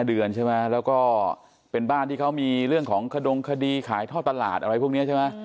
เดือนใช่ไหมแล้วก็เป็นบ้านที่เขามีเรื่องของขดงคดีขายท่อตลาดอะไรพวกนี้ใช่ไหม